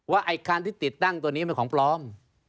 ว่าไอคารที่ติดตั้งตัวนี้ไม่คือของปลอม